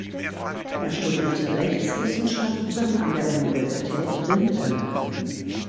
Er studierte Rechtswissenschaften an der Universität Rinteln.